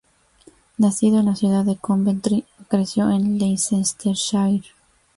Nacido en la ciudad de Coventry, creció en Leicestershire.